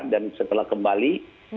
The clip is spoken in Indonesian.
dan setelah kembali